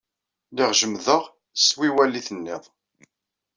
Lliɣ jemḍeɣ s wiwal i tennid.